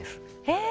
え。